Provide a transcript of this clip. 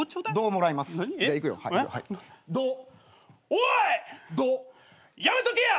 お前やめとけや！